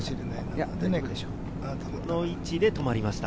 この位置で止まりました。